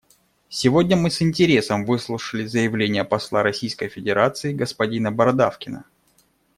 Сегодня мы с интересом выслушали заявление посла Российской Федерации господина Бородавкина.